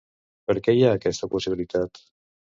Per què hi ha aquesta possibilitat?